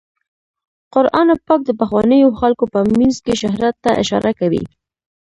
قرآن پاک د پخوانیو خلکو په مینځ کې شهرت ته اشاره کوي.